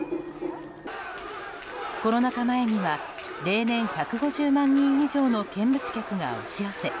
コロナ禍前には例年、１５０万人以上の見物客が押し寄せ